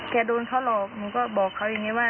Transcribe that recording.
โดนเขาหลอกหนูก็บอกเขาอย่างนี้ว่า